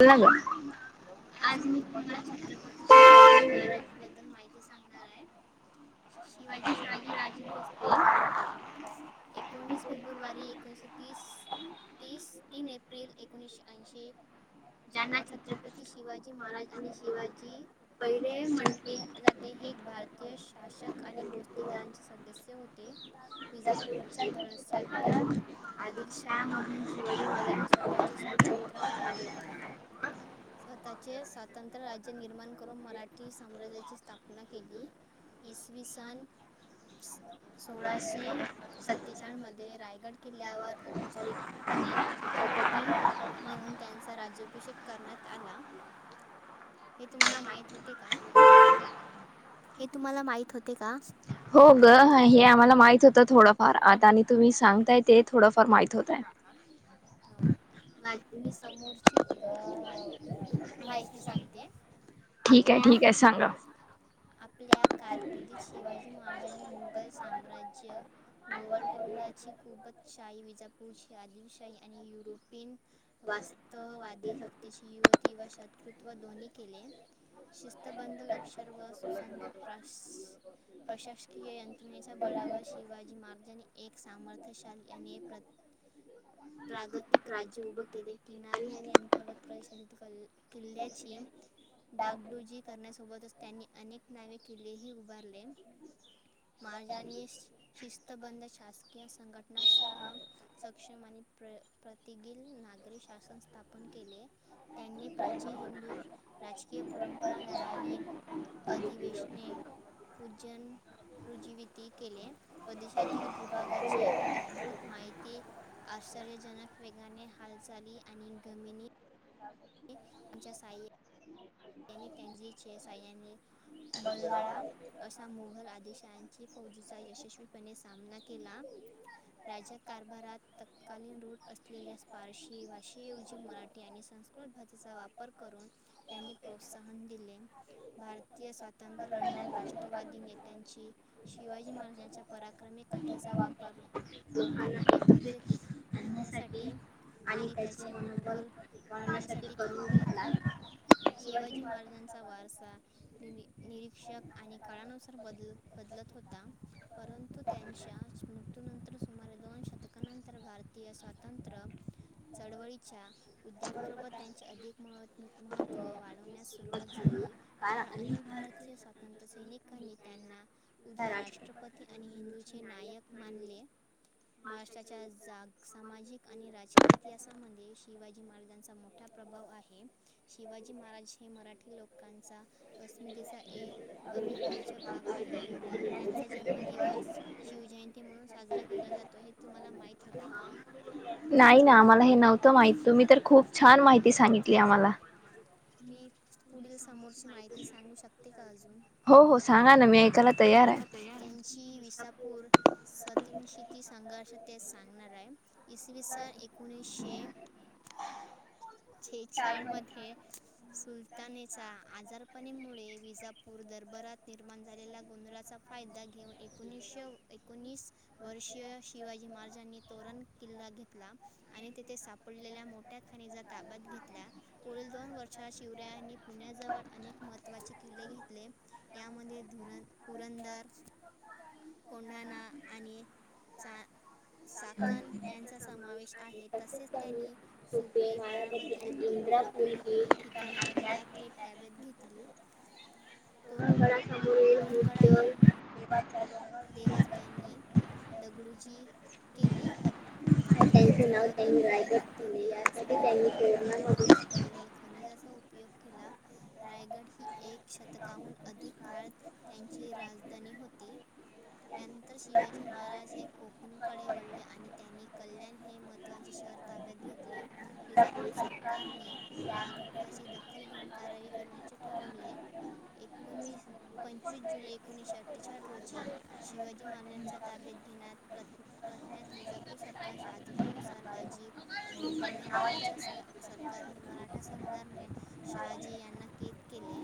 अलाग आज मी तुम्हाला छत्रपती शिवाजी महाराजबद्दल माहिती सांगणार आहे शिवाजी शहाजीराजे भोसते एकोणवीस फेब्रुवारी एकोणीसशे तीस तीस तीन एप्रिल एकोणीसशे ऐंशी ज्यांना छत्रपती शिवाजी महाराज आणि शिवाजी पहिले म्हटले जाते हे भारत मु्य शासक आणि भोस्लेदारांचे सदस्य होते अ शम स्वतःचे स्वातंत्र्य राज्य निर्माण करून मराठी साम्राज्याची स्थापना केली. इसवी सन सोळाशे सत्तेचाळमध्ये रायगड किल्ल्यावर औपचारिक णे छत्रपती म्हणून त्यांचा राज्याभिषेक करण्यात आला हे तुम्हाला माहीत होते का? हे तुम्हाला माहत होते का? हो ग हे आम्हाला माहित होतं थोडंफार आता आणि तुम्ही सांगताय ते थोडंफार माहित होतंय मा स ठीक आहे ठीक आहे सांगा आपल्या कारकिर्दीत शिवाजी महाराजांनी मुघल साम्राज्य गोवळकोंडाची खूपच शाही विजापूरची आदिलशाही शा आणि युरोपियन वास्तवादी शक्तीची युवत व शत्रृत्व दोन्ही केले. शिस्तबध लक्षर व सुसंगीत ट्रश प्रशासकीय यंत्रणेच्या बळावर शिवाजी महाराजांने एक सामर्थ्यशाली आणि एक प्रत्य प्रागतिक राज्य उभं केले. किनारी आणि अंतर्गत प्रदशात क किल्ल्याची डागडुजी करण्यासोबतच त्यांनी अनेक नावे किल्लेही उभारले माहाराजांणी शिस्तबद्ध शासकीय संघटना णा स सक्षम आणि प्र प्रतिगिील नागरी शासन स्थापन केले. त्यांनी प्राचीन हिंदू राजकीय परंपरा न्यायालयीन अधिवेशने पूजन रुजीवती केले प्रदेशातील भूभागाची इद्भूत माहिती आश्चर्यजनक वेगाने हालचाली आणि गमिनी आमच्या साई त्यांजच्या साईंनी बल््हाळा अशा मुघल आदेशांची फौजीचा यशस्वीपणे सामना केला. राज्या कारभारात तत्कालीन रूढ असलेल्या फारशी भाषेऐवजी मराठी आणि संस्क प्रकृत भाजीचा वापर करून त्यांनी प्रोत्साहन दिले. भारतीय स्वातंत्र्य लढण्यात राष्ट्रवादी नेत्यांची शिवाजी महाराजांच्या परत आ क्रमी कथेचा वापर लोकांना एकत्रित आणण्यासाठी आणि त्याचे मनोबल वाढवण्यासाठी करून घेतला शिवाजी महाराजांचा वारसा नि निरीक्षक आणि काळानुसार बदल बदलत होता परंतु त्यांच्या मृत्यूनंतर सुमारे दोन शतक त्या नंतर भारतीात भारतीय स्वातंत्र्य चळवळीच्या हद्याबरोबर त्यांचे अधिक महत् महत्व वाढवण्यास सुरुवात झाली कारण अनेक भारतीय स्वातंत्र्य सैनिकांनी त्यांना उद्या राष्ट्रपती आणि हिंदूचे नायक मानले महाराष्ट्राच्या जाग सामाजिक आणि राजकीय इतिहासामध्ये शिवाजी महाराजांचा मोठा प्रभाव आहे शिवाजी महाराज हे मराठी लोकांचा अस्मितेचा ए अभभाज्य भाग आहे त्यांचा जन्मदिवस शिवजयंती म्हणून साजरा केला जातो आहे तुम्हाला माहीत होते का नाही ना आम्हाला हे नव्हतं माहीित तुम्ही तर खूप छान माहिती सांगितली आम्हाला म पुढील समोरची माहिती सांगू शकते का अजून म्हची विसापूर सतीनशीती संघर्ष ते सांगणार आहे इसवी सन एकोणीसशे ेचार मध्ये सुलतानेच्या आजारपणामुळे विजापूर दरबारात निर्माण झालेल्या गोंधळाचा फायदा घेऊन एकोणीसशे एकोणीस वर्षीय शिवाजी महाराजांनी तोरण किल्ला घेतला आणि तिथे सापडलेल्या मो अटकखानीचा ताब्यात घेतला पुढील दोन वर्षात शिवरायांनी पुण्याजवळ अनेक महत्त्वाचे किल्ले घेतले यामध्ये धुरण पुरंदर कोंढाणा आणि चा साकन यांचा समावेश आहे तसेच त्यांनी सुपे मारावती आणि इंद्रापूर ही ठिकाणी आपल्या थेट तॅब्येत घेतली ह पुरणंगळा ह ब चालू आहे. तेव्हाच त्यांनी दगडूजी केली. व त्यांचे नाव त्यांनी रायगड ठेवले यासाठी त्यांनी तोरणामध्ये सापड ला खनिजाचा उपयोग केला रायगड ही एक शतकाहून अधिक काळ. त्यांची राजधानी होती. यानंतर शिवाजी महाराज हे कोकणकडे वळले आणि त्यांनी कल्याण हे मत तवाचे शहर ताब्यात घेतले विजापूर सरकारने या घ हाची दखल घेऊन कारवाई करण्याचे ठरवले एकोणवीस. पंचवीस जुलै एकोणीसशे अठ्ठेचाठ रोजी शिवाजी महाराजांच्या ताब्यात घेण्यात प्र प्रज्ञात विजापूर सरकारच्या आदेशानुसार बाजी घोरफडे नावाच्या स सरकारने मराठा सरदारने शहाजी यांना के केले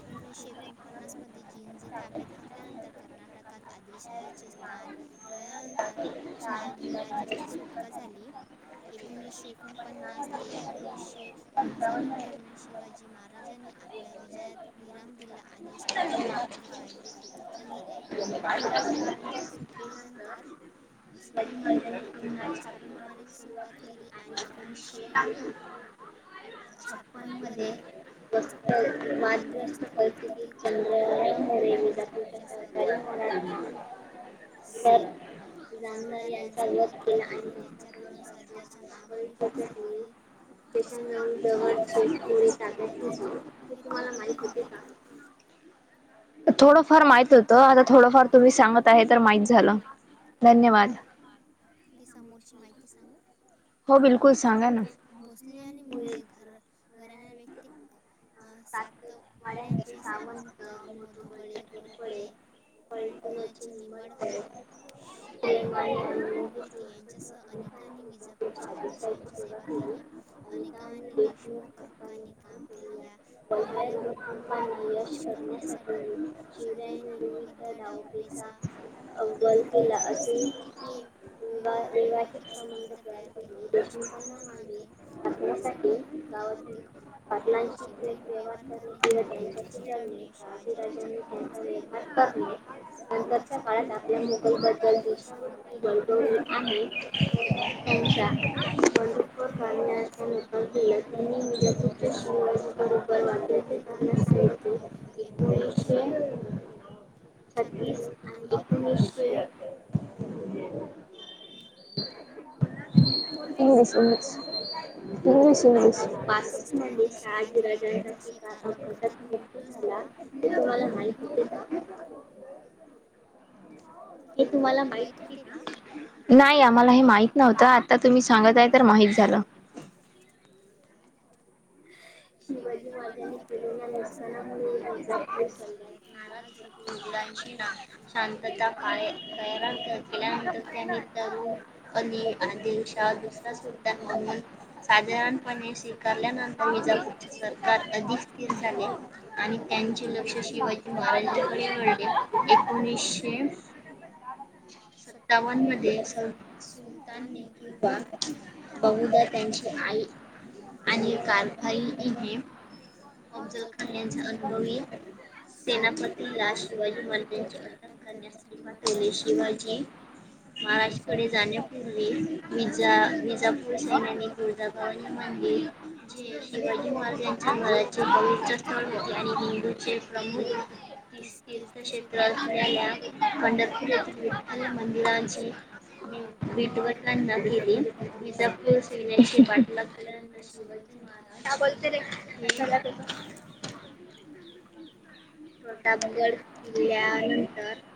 एकोणीसशे एकोणपन्नास. म जिंज ताब्यात घेतल्यानंतर कर्नाटकात आदिलशाहाचे स्थान मिळाल्यानंतर. शहाजीराजाची सुटका झाली. एकोणीसशे एकोणपन्नास ते एकोणीसशे पंचावन्न दरम्यान. शिवाजी महाराजांनी आपल्या विजयात विराम दिला आणि शांती. त पणे आपले फायदे एकत्र केले आपल्या वडिलांच्या सुटकेनंतर. शिवाजी महाराजांनी पुन्हा छापेमारीला सुरुवात केली आणि एकोणीसशे छप्पन मध्ये वस्त वादग्रस्त परिस्थितीत. चंद्रराव मोरे विजापूरच्या सहकारी मराठा सर. जामदार यांचा मध केला आणि [inaudible] पशवो सग ते तुम्हाला माहित होते का [inaudible] थोडंफार माहित होतं आता थोडंफार तुम्ही सांगत आहे तर माहित झालं. धन्यवाद. समोरची माहिती सांगू. भोसले आणि मोरे घर घराणा व्यक्ततीक. अ सातवाड्यांचे सावंत मधुबळे घोरपडे. फलटण्याचे निंबाडकर शिकरेमाने आणि मोहित यांच्यासह अनेक. कानी विजापूरच्या आदिशाहीची सेवा केली अनेकांनी देशमुख. अनेक आणि काम केले या बल्हाळ्या कुटुंबांना यश. करण्यासाठी वि शिवरायांनी विविध डाव ओपेचा अव्वल केला असे. की विवा वैवाहिक संबंध तयार केले देशमुखांना मागे. टाकण्यासाठी गावातील पाटलांशी. थेट व्यवहार करणे किंवा त्यांच्याशी लढणे. शहाजीराजांनी त्यांचा व्यवहार करणे नंतरच्या काळात आपल्या मुघलबद्दल दिशावृत ती बडगवली आणि त्यांचा बंडखोर करण्याचा न कार दिला त्यांनी विजापूरच्या शिवाजी बरोबर वाटेल ते कारण सांगितले. एकोणीसशे छत्तीस आणि एकोणीसशे [inaudible] इंग्लिश इंग्लिश इंग्लिश इंग्लिश. म्हजे शहाजीराजांचा स्कार अपात मृत्यू झाला. हे म्हाला माहित होते का. हे तुम्हाला माहिती आहे का. नाही आम्हाला हे माहित नव्हतं आता तुम्ही सांगत आहे तर माहित झालं. शिवजी माझ्यानी [unintelligible] केलेल्या नसताना नाराज मुलांशी ना शांतता [inaudible] खयार केल्यानंतर त्यांनी तरुण आणि आदिलशहा दुसरा सुलतानानी साधारणपणे स्वीकारले. त्यानंतर वीजापूर. सरकार अधिक स्थिर झाले आणि त्यांचे लक्ष शिवाय महाराजकडे वळले. एकोणीसशे. सत्तावन्न मध्ये सल सुलतानने किंवा बहुधा त्यांची आई आणि कारभाई इन ह अफजाल खान यांच्या अनुभवी सेनापतीला शिवाजी महाराजांची अटक करण्यासाठी पाठवले शिवाजी महाराजकडे जाण्यापूर्वी वि विजापूर सैन्यानी तुळजाभवानी मंदिर जेष शिवाजी महाराज यांच्या घराचे पवित्र स्थळ होते आणि हिंदूचे प्रमुख ती तीर्थक्षेत्र असलेल्या पंढरपूर येथील विठ्ठल मंदिरांची बिटवटांना केली विजापूर सैन्याचे पाठलाग केल्यानंतर शिवजी महाराज का बोलते र झाला त प्रतापगड किल्ल्यानंतर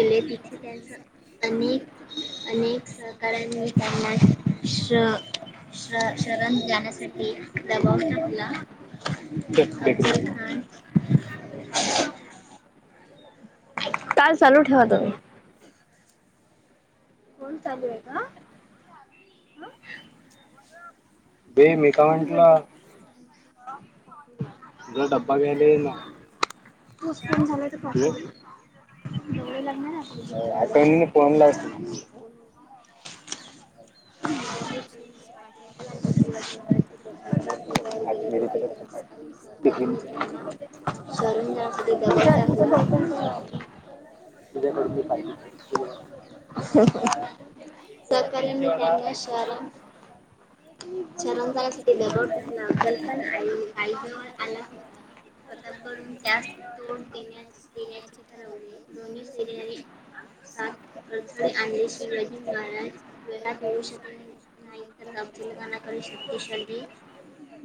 गेले तिथे त्यांचा अनेक अनेक सहकार्यांनी त्यांना असं शरण जााण्यासाठी दबाव टाकला काल चालू काल चालू ठेवत फोन चालू आहे का ज म का झ डबा पोस्टपोन झाला आठवणी फोन ला असत विजापूर सैन्याची पाठलाग केल्यानंतर शिवाजी महाराज ते प्रतापगड किल्ल्यावर गेले तेथे त्यांचा शरण जाण्यासाठी हा हा सरकारांनी त्यांना शहरात शरंजानासाठी दबाव टाकला अफजलखान वाईजवळ आला होता प्रतापगडून त्यास तोड देण्या देण्याचे ठरवले दोन्ही सैन्यांनी साात अडथळे आणले शिवाजी महाराज वेळात तोडू शकले नाही तर अफजलगानाकडे शक्तिशाली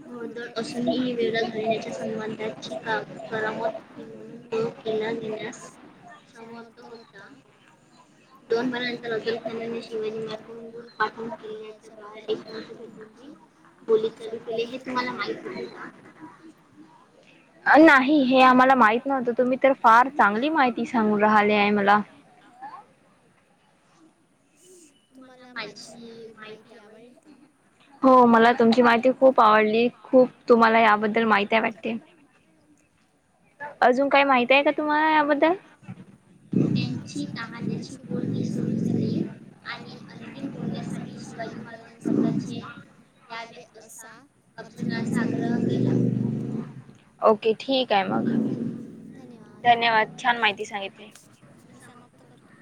घोडदोड असूनही ही वेळा घालण्याच्या समाधाची करमत होती म्हणून तो किल्ला घेण्यास समर्थ होता दोन मननंतर अब्दुल खानाने शिवाजी मारकडून दूध पाठणून केल्याच्या बाहेर एकांत भेट जी बोली चालू केली हे तुम्हाला माहत होते का नाही हे आम्हाला माहित नव्हतं तुम्ही तर फार चांगली माहिती सांगून राहिले आहे मला ह तुम्हाला माझी माहिती आवडल का हो मला तुमची माहिती खूप आवडली खूप तुम्हाला याबद्दल माहिती आहे वाटते [inaudible] [inaudible] अजून काय माहित आहे का तुम्हाला याबद्दल त्यांची तहाण्याची बोलणी सुरू झाली आणि अंतिम बोलण्यासाठी शिवाजी महाराजांनी स्वतःचे अ आग्रह केला ओके ठीक आहे मग धन्यवाद छान माहिती सांगितली मी समाप्त करतो